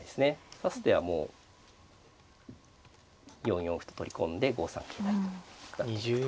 指す手はもう４四歩と取り込んで５三桂成と成っていくと。